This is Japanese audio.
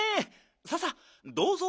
さあさあどうぞ。